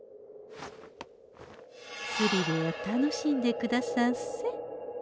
スリルを楽しんでくださんせ。